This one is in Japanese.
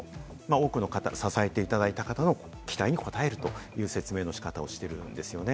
多くの方、支えていただいた方の期待に応えるという説明の仕方をしているんですよね。